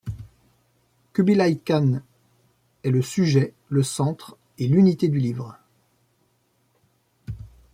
Kūbilaï Khān est le sujet, le centre et l'unité du livre.